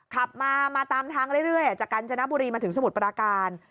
ขับมามาตามทางเรื่อยจากกาญจนบุรีมาถึงสมุทรปราการ